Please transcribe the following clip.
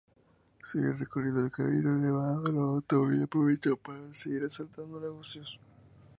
Siguen recorriendo el camino nevado en un automóvil y aprovechan para seguir asaltando negocios.